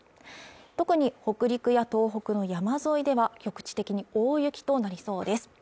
特に北陸や東北の山沿いでは局地的に大雪となりそうです